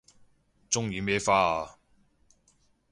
鍾意咩花啊